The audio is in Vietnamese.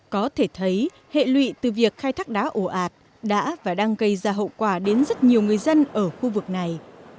có thể thấy hệ lụy từ việc khai thác đá ổ ạt đã và đang gây ra hậu quả đến rất nhiều người dân ở khu vực này